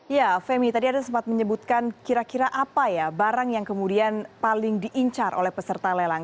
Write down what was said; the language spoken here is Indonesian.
ya femi tadi ada sempat menyebutkan kira kira apa ya barang yang kemudian paling diincar oleh peserta lelang